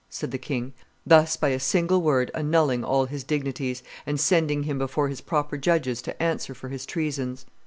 said the king, thus by a single word annulling all his dignities, and sending him before his proper judges to answer for his treasons.